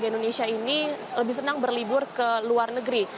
indonesia ini lebih senang berlibur ke luar negeri